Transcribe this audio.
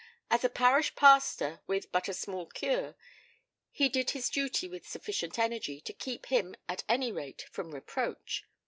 As a parish pastor with but a small cure he did his duty with sufficient energy to keep him, at any rate, from reproach.